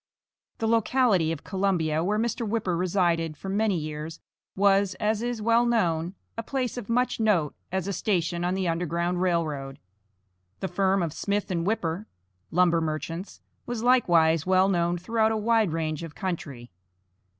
The locality of Columbia, where Mr. Whipper resided for many years, was, as is well known, a place of much note as a station on the Underground Rail Road. The firm of Smith and Whipper (lumber merchants), was likewise well known throughout a wide range of country.